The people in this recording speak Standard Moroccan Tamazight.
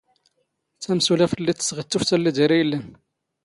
ⵜⴰⵎⵙⵓⵍⴰⴼⵜ ⵍⵍⵉ ⴷ ⵜⵙⵖⵉⴷ ⵜⵓⴼ ⵜⴰⵍⵍⵉ ⴷⴰⵔⵉ ⵉⵍⵍⴰⵏ.